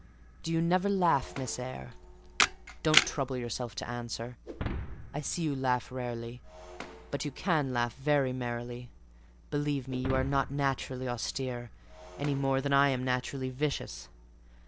Do you never laugh, Miss Eyre? Don't trouble yourself to answer—I see you laugh rarely; but you can laugh very merrily: believe me, you are not naturally austere, any more than I am naturally vicious.